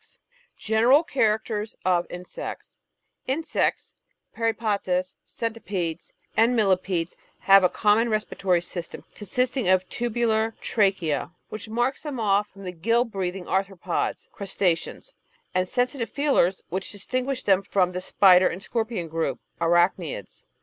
VOL. II — 14 I 506 The Outline of Science General Characters of Insects Insects, Peripatus, Centipedes, and Millipedes have in com mon a respiratory system consisting of tubular tracheae, which marks them off from the gill breathing Arthropods (Crusta ceans), and sensitive feelers, which distinguish them from the Spider and Scorpicfn group (Arachnids)